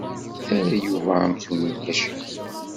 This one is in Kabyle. Terra Yuba amzun ulac-it.